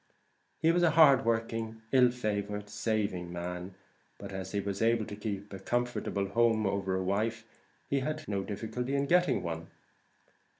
He was a hard working, ill favoured, saving man; but, as he was able to keep a comfortable home over a wife, he had no difficulty in getting one.